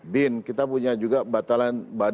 bin kita punya juga batalan